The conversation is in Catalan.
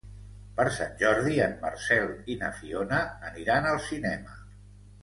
Per Sant Jordi en Marcel i na Fiona aniran al cinema.